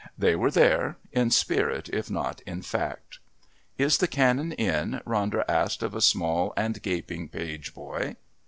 They were there in spirit if not in fact. "Is the Canon in?" Ronder asked of a small and gaping page boy.